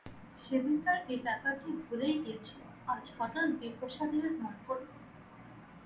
সেদিনকার এই ব্যাপারটা ভুলেই গিয়েছিল, আজ হঠাৎ বিপ্রদাসের মনে পড়ল।